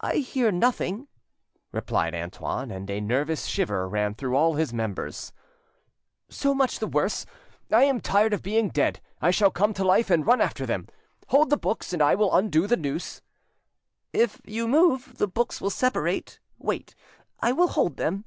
"I hear nothing," replied Antoine, and a nervous shiver ran through all his members. "So much the worse. I am tired of being dead; I shall come to life and run after them. Hold the books, and I will undo the noose." "If you move, the books will separate; wait, I will hold them."